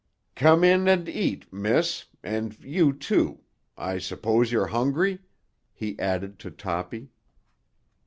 "Come in and eat, miss—and you, too; I suppose you're hungry?" he added to Toppy.